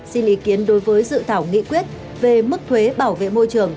xin ý kiến đối với dự thảo nghị quyết về mức thuế bảo vệ môi trường